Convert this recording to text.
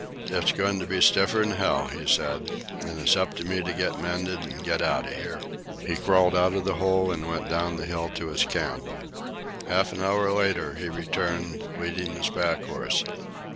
"It's goin' to be stiffer'n hell," he said. "An' it's up to me to get mended an' get out o'here." He crawled out of the hole and went down the hill to his camp. Half an hour later he returned, leading his pack horse.